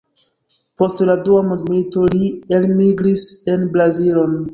Post la dua mondmilito li elmigris en Brazilon.